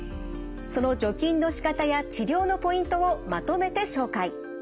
その除菌のしかたや治療のポイントをまとめて紹介。